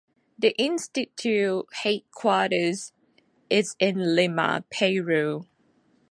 The Institute headquarters is in Lima, Peru.